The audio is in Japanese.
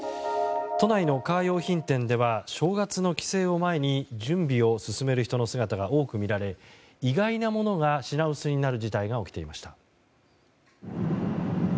都内のカー用品店では正月の帰省を前に準備を進める人の姿が多く見られ意外なものが品薄になる事態が起きていました。